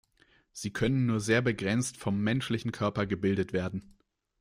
Sie können nur sehr begrenzt vom menschlichen Körper gebildet werden.